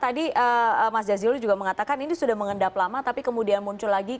tadi mas jazilul juga mengatakan ini sudah mengendap lama tapi kemudian muncul lagi